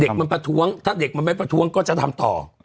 เด็กมันประท้วงถ้าเด็กมันไม่ประท้วงก็จะทำต่อ